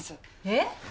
えっ！？